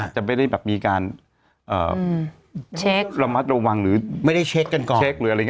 จะไม่ได้มีการระมัดระวังหรือไม่ได้เช็คกันก่อน